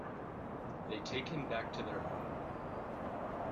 They take him back to their home.